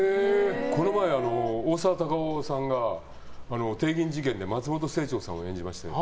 この前、大沢たかおさんが松本清張さんを演じましたよね。